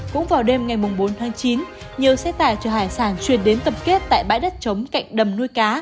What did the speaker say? cũng vào đêm ngày bốn tháng chín nhiều xe tải chở hải sản truyền đến tập kết tại bãi đất chống cạnh đầm nuôi cá